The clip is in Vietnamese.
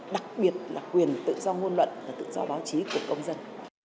đặc biệt là quyền tự do ngôn luận và tự do báo chí của công dân